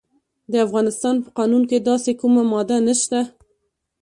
د افغانستان په قانون کې داسې کومه ماده نشته.